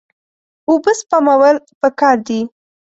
اوبه سپمول پکار دي.